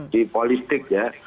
di politik ya